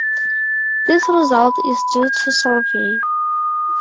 This result is due to Solovay.